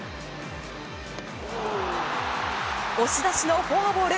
押し出しのフォアボール。